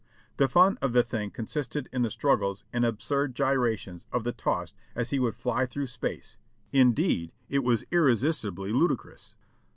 The fun of the thing con sisted in the struggles and absurd gyrations of the tossed as he would fly through space — indeed it was irresistibly ludicrous.